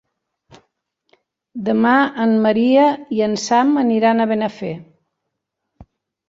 Demà en Maria i en Sam aniran a Benafer.